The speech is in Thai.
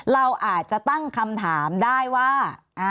เราอาจจะตั้งคำถามได้ว่า